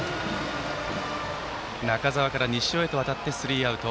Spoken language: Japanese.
中澤から西尾へとわたりスリーアウト。